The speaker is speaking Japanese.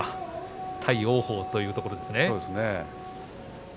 対王鵬というところですね。